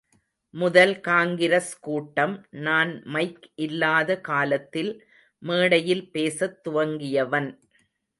முதல் காங்கிரஸ் கூட்டம் நான் மைக் இல்லாத காலத்தில் மேடையில் பேசத் துவங்கியவன்.